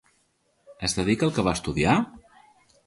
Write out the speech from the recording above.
Es dedica al que va estudiar?